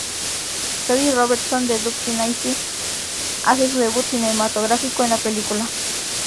Sadie Robertson de "Duck Dynasty" hace su debut cinematográfico en la película.